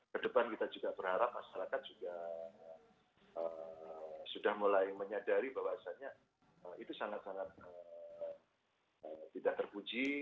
kedepan kita juga berharap masyarakat juga sudah mulai menyadari bahwasannya itu sangat sangat tidak terpuji